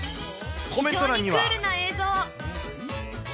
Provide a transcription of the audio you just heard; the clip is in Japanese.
非常にクールな映像。